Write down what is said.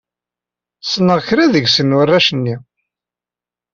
Ssneɣ kra deg-sen warrac-nni.